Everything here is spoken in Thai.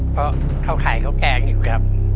เพราะเขาขายข้าวแกงอยู่ครับ